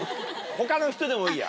他の人でもいいや。